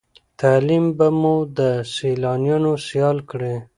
تعليم به مو د سیالانو سيال کړی